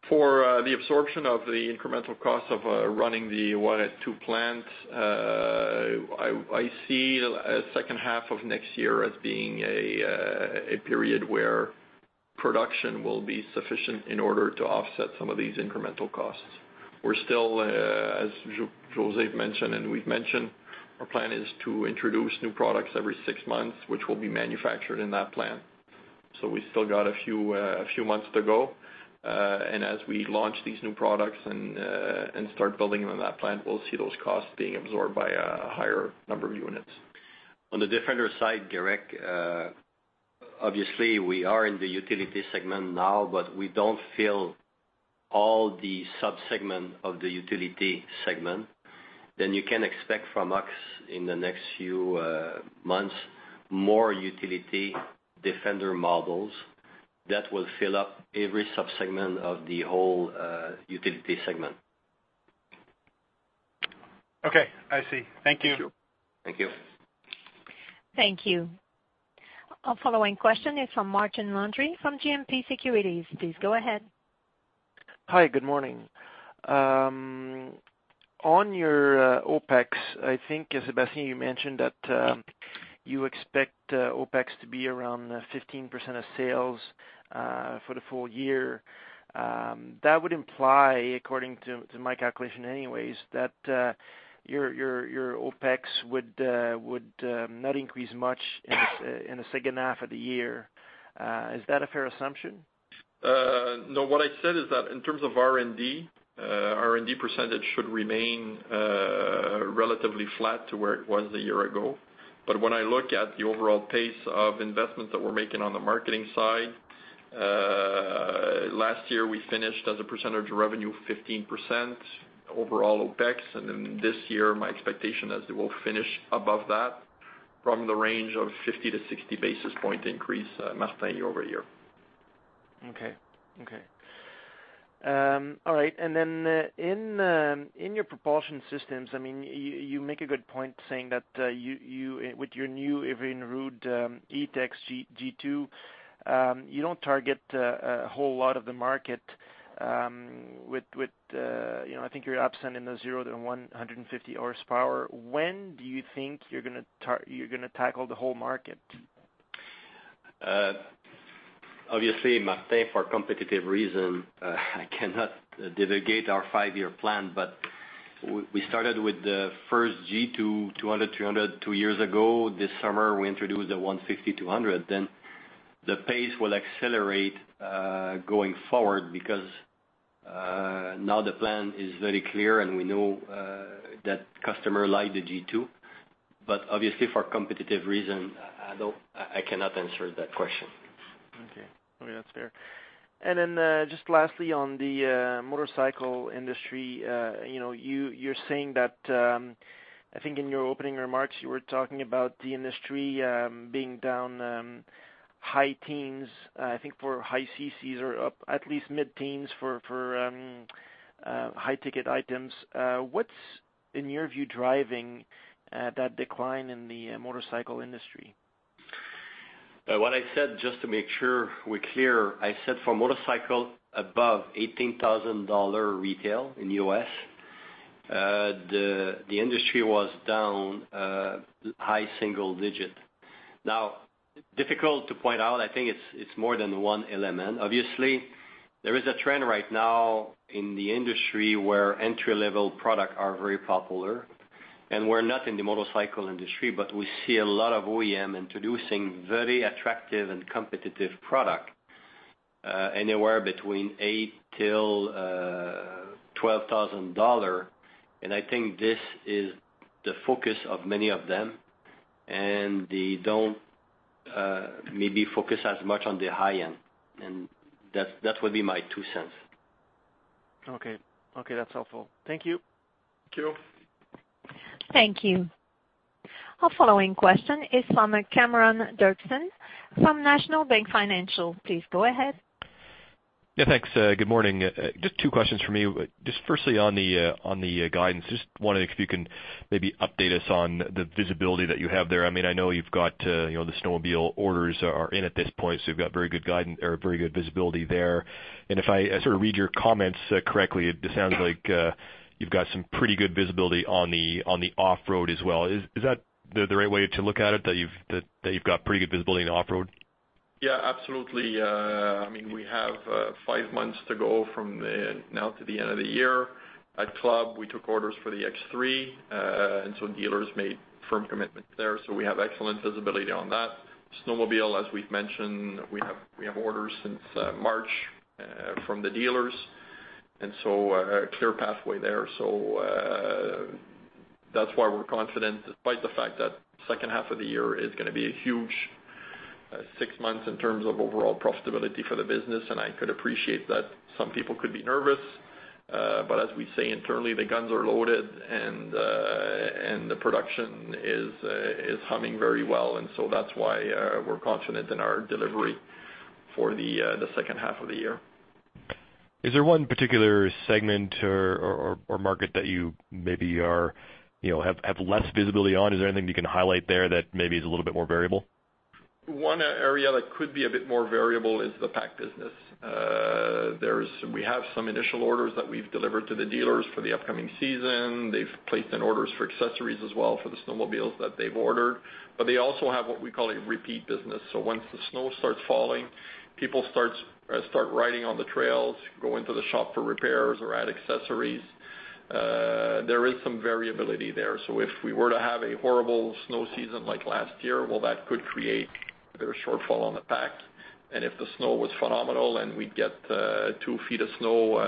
For the absorption of the incremental cost of running the Juárez 2 plant, I see second half of next year as being a period where production will be sufficient in order to offset some of these incremental costs. We're still, as José mentioned and we've mentioned, our plan is to introduce new products every six months, which will be manufactured in that plant. We still got a few months to go. As we launch these new products and start building on that plant, we'll see those costs being absorbed by a higher number of units. On the Defender side, Derek, obviously, we are in the utility segment now, but we don't fill all the sub-segment of the utility segment. You can expect from us in the next few months, more utility Defender models that will fill up every sub-segment of the whole utility segment. Okay. I see. Thank you. Thank you. Thank you. Our following question is from Martin Landry from GMP Securities. Please go ahead. Hi, good morning. On your OpEx, I think, Sébastien, you mentioned that you expect OpEx to be around 15% of sales for the full year. That would imply, according to my calculation anyways, that your OpEx would not increase much in the second half of the year. Is that a fair assumption? No. What I said is that in terms of R&D, R&D percentage should remain relatively flat to where it was a year ago. When I look at the overall pace of investment that we're making on the marketing side, last year we finished as a percentage of revenue, 15% overall OPEX. This year, my expectation is that we'll finish above that from the range of 50 to 60 basis point increase, Martin, year-over-year. Okay. All right. In your propulsion systems, you make a good point saying that with your new Evinrude E-TEC G2, you don't target a whole lot of the market with, I think you're absent in the zero to 150 horsepower. When do you think you're going to tackle the whole market? Obviously, Martin, for competitive reason, I cannot delegate our five-year plan. We started with the first G2 200, 300 two years ago. This summer we introduced the 160, 200. The pace will accelerate, going forward because now the plan is very clear and we know that customer like the G2. Obviously for competitive reason, I cannot answer that question. Okay. That's fair. Just lastly on the motorcycle industry, you're saying that, I think in your opening remarks you were talking about the industry being down high teens. I think for high cc's or up at least mid-teens for high ticket items. What's in your view driving that decline in the motorcycle industry? What I said, just to make sure we're clear, I said for motorcycle above $18,000 retail in U.S., the industry was down high single digit. Difficult to point out. I think it's more than one element. Obviously, there is a trend right now in the industry where entry level product are very popular and we're not in the motorcycle industry, but we see a lot of OEM introducing very attractive and competitive product, anywhere between $8,000 to $12,000. I think this is the focus of many of them, and they don't maybe focus as much on the high end and that would be my two cents. Okay. That's helpful. Thank you. Thank you. Thank you. Our following question is from Cameron Doerksen from National Bank Financial. Please go ahead. Yeah, thanks. Good morning. Just two questions for me. Firstly on the guidance, wondering if you can maybe update us on the visibility that you have there. You've got the snowmobile orders are in at this point, so you've got very good guidance or very good visibility there. If I sort of read your comments correctly, it sounds like you've got some pretty good visibility on the off-road as well. Is that the right way to look at it, that you've got pretty good visibility in the off-road? Yeah, absolutely. We have five months to go from now to the end of the year. At Club, we took orders for the X3, dealers made firm commitments there. We have excellent visibility on that. Snowmobile, as we've mentioned, we have orders since March from the dealers, a clear pathway there. That's why we're confident despite the fact that second half of the year is going to be a huge six months in terms of overall profitability for the business. I could appreciate that some people could be nervous. As we say internally, the guns are loaded and the production is humming very well. That's why we're confident in our delivery for the second half of the year. Is there one particular segment or market that you maybe have less visibility on? Is there anything you can highlight there that maybe is a little bit more variable? One area that could be a bit more variable is the PAC business. We have some initial orders that we've delivered to the dealers for the upcoming season. They've placed in orders for accessories as well for the snowmobiles that they've ordered, they also have what we call a repeat business. Once the snow starts falling, people start riding on the trails, go into the shop for repairs or add accessories. There is some variability there. If we were to have a horrible snow season like last year, well, that could create a bit of shortfall on the PAC. If the snow was phenomenal and we'd get two feet of snow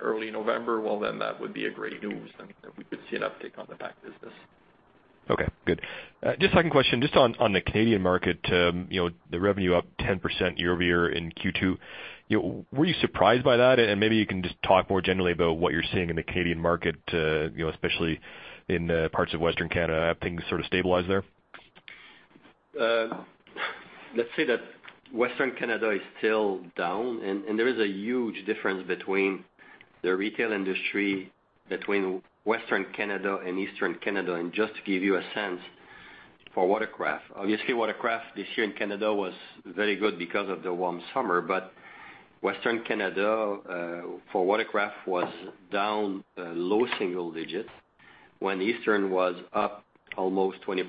early November, well, that would be a great news, and we could see an uptick on the PAC business. Second question, on the Canadian market, the revenue up 10% year-over-year in Q2. Were you surprised by that? Maybe you can just talk more generally about what you're seeing in the Canadian market, especially in parts of Western Canada. Have things sort of stabilized there? Let's say that Western Canada is still down. There is a huge difference between the retail industry between Western Canada and Eastern Canada. Just to give you a sense for watercraft, obviously watercraft this year in Canada was very good because of the warm summer. Western Canada, for watercraft, was down low single digits when Eastern was up almost 20%.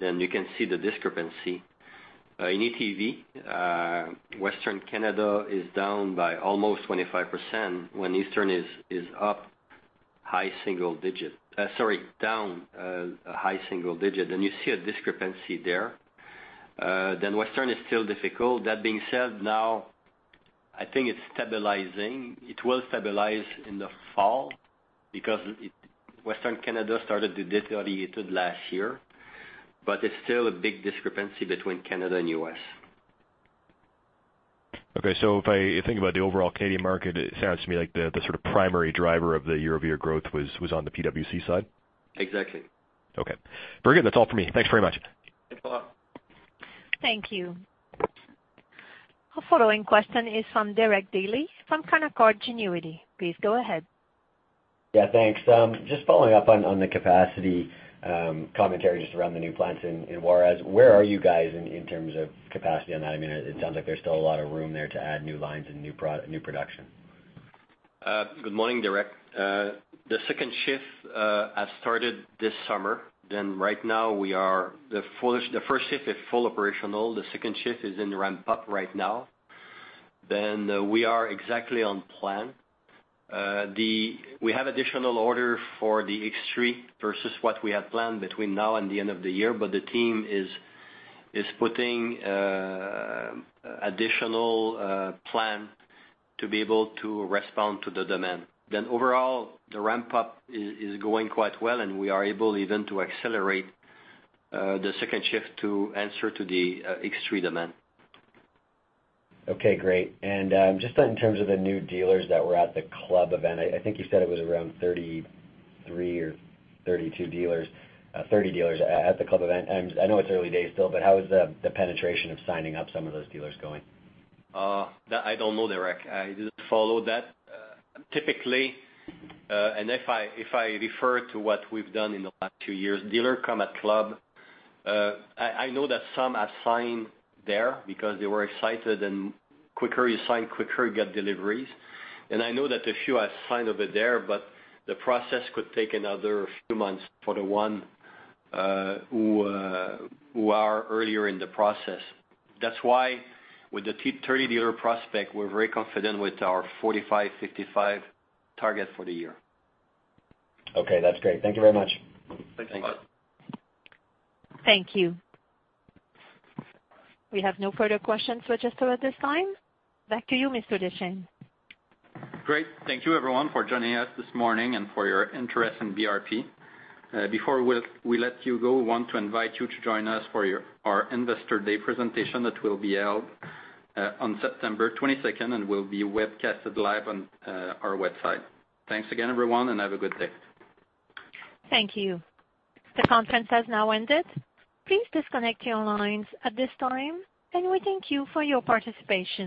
You can see the discrepancy. In ATV, Western Canada is down by almost 25% when Eastern is up high single digit. Sorry, down a high single digit. You see a discrepancy there. Western is still difficult. That being said, now I think it's stabilizing. It will stabilize in the fall because Western Canada started to de-dealiate last year, but it's still a big discrepancy between Canada and U.S. If I think about the overall Canadian market, it sounds to me like the sort of primary driver of the year-over-year growth was on the PWC side. Exactly. Okay. Very good. That's all for me. Thanks very much. Thanks a lot. Thank you. Our following question is from Derek Dley from Canaccord Genuity. Please go ahead. Yeah, thanks. Just following up on the capacity commentary just around the new plants in Juárez. Where are you guys in terms of capacity on that? It sounds like there's still a lot of room there to add new lines and new production. Good morning, Derek. The second shift has started this summer. Right now, the first shift is full operational. The second shift is in ramp up right now. We are exactly on plan. We have additional order for the X3 versus what we had planned between now and the end of the year. The team is putting additional plan to be able to respond to the demand. Overall, the ramp up is going quite well and we are able even to accelerate the second shift to answer to the X3 demand. Okay, great. Just in terms of the new dealers that were at the Club event, I think you said it was around 33 or 32 dealers, 30 dealers at the Club event. I know it's early days still, but how is the penetration of signing up some of those dealers going? I don't know, Derek Dley. I didn't follow that. Typically, if I refer to what we've done in the last two years, dealer come at Club. I know that some have signed there because they were excited and quicker you sign, quicker you get deliveries. I know that a few have signed over there, but the process could take another few months for the one who are earlier in the process. That's why with the 30 dealer prospect, we're very confident with our 45, 55 target for the year. Okay, that's great. Thank you very much. Thanks a lot. Thank you. We have no further questions registered at this time. Back to you, Mr. Deschênes. Great. Thank you everyone for joining us this morning and for your interest in BRP. Before we let you go, we want to invite you to join us for our Investor Day presentation that will be held on September 22nd and will be webcasted live on our website. Thanks again, everyone, and have a good day. Thank you. The conference has now ended. Please disconnect your lines at this time, and we thank you for your participation.